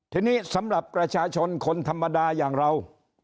ทีนี้สำหรับประชาชนคนธรรมดาอย่างเรา